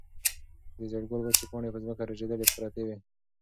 د زېړ ګل وچې پاڼې په ځمکه رژېدلې پرتې وې.